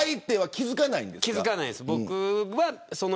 気づかないです。